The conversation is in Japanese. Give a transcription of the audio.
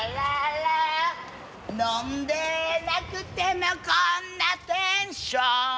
「飲んでなくてもこんなテンション」